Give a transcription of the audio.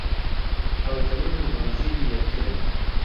ھاوتەمەن و ھاوجیلی یەکترین